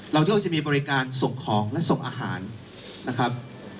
ที่ก็จะมีบริการส่งของและส่งอาหารนะครับ